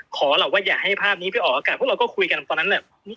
ขอหรอกว่าอย่าให้ภาพนี้ไปออกอากาศพวกเราก็คุยกันตอนนั้นแหละ